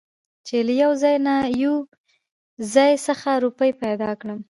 چې له يوه ځاى نه يو ځاى خڅه روپۍ پېدا کړم .